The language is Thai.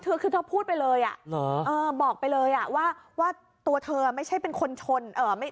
คือเธอคือพูดไปเลยอ่ะบอกไปเลยว่าโบใรฟศพไม่ใช่คนชน